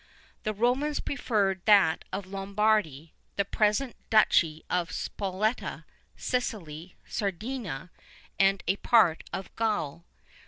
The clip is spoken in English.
The Romans preferred that of Lombardy, the present duchy of Spoletta, Sicily, Sardinia, and a part of Gaul.